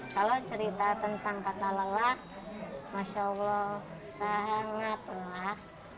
kalau cerita tentang kata lelah masya allah sangat lelah